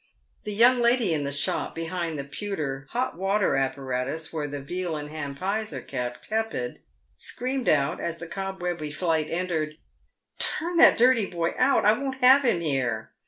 The young lady in the shop behind the pewter hot water apparatus where the veal and ham pies are kept tepid, screamed out, as the cobwebby Flight entered, " Turn that dirty boy out ! I won't have him here